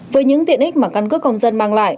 với những tiện ích mà căn cước công dân mang lại